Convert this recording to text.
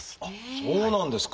そうなんですか。